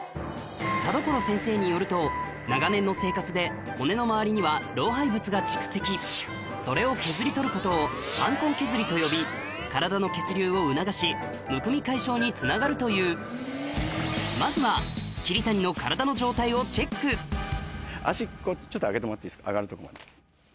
田所先生によると長年の生活で骨の周りには老廃物が蓄積それを削り取ることを瘢痕削りと呼び体の血流を促しむくみ解消につながるというまずは脚こうやって上げてもらっていいですか上がるとこまで。